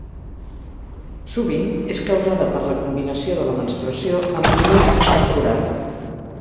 Sovint és causada per la combinació de la menstruació amb un himen imperforat.